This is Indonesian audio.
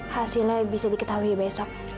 hasilnya bisa diketahui besok